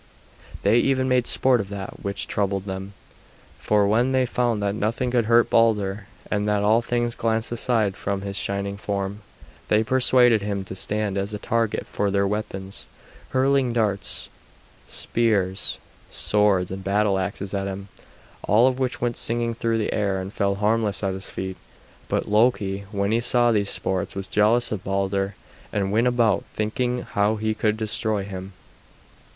They even made sport of that which troubled them, for when they found that nothing could hurt Balder, and that all things glanced aside from his shining form, they persuaded him to stand as a target for their weapons; hurling darts, spears, swords, and battle axes at him, all of which went singing through the air and fell harmless at his feet. But Loki, when he saw these sports, was jealous of Balder, and went about thinking how he could destroy him.